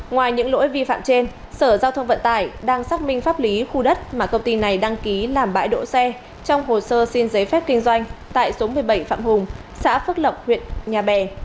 ngoài những lỗi vi phạm trên sở giao thông vận tải đang xác minh pháp lý khu đất mà công ty này đăng ký làm bãi đỗ xe trong hồ sơ xin giấy phép kinh doanh tại số một mươi bảy phạm hùng xã phước lộc huyện nhà bè